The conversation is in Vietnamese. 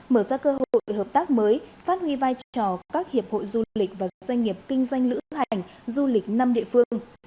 mở ra cơ hội hợp tác mới phát huy vai trò các hiệp hội du lịch và doanh nghiệp kinh doanh lữ hành du lịch năm địa phương